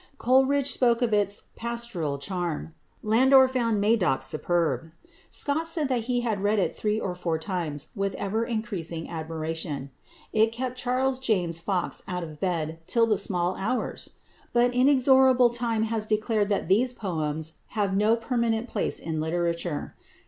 Coleridge spoke of its "pastoral charm." Landor found "Madoc" superb. Scott said that he had read it three or four times with ever increasing admiration. It kept Charles James Fox out of bed till the small hours! But inexorable time has declared that these poems have no permanent place in literature.